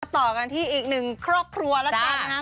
ต่อกันที่อีกหนึ่งครอบครัวแล้วกันนะครับ